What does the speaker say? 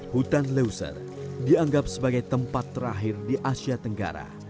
hutan leuser dianggap sebagai tempat terakhir di asia tenggara